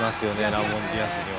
ラモン・ディアスには。